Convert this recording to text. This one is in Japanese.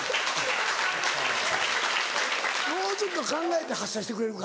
もうちょっと考えて発車してくれるか？